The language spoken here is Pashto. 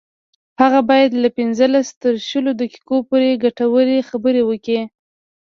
هغه باید له پنځلس تر شلو دقیقو پورې ګټورې خبرې وکړي